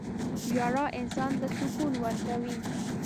• ژړا انسان ته سکون ورکوي.